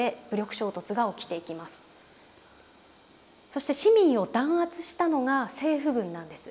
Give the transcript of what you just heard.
そして市民を弾圧したのが政府軍なんです。